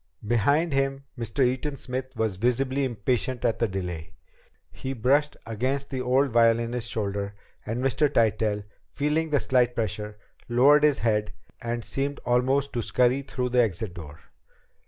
Behind him, Mr. Eaton Smith was visibly impatient at the delay. He brushed against the old violinist's shoulder, and Mr. Tytell, feeling the slight pressure, lowered his head and seemed almost to scurry through the exit door.